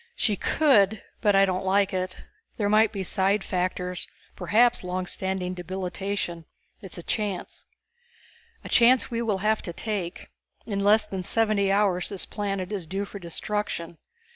"She could but I don't like it. There might be side factors, perhaps long standing debilitation. It's a chance." "A chance we will have to take. In less than seventy hours this planet is due for destruction.